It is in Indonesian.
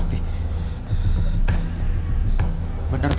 aku mau ke rumah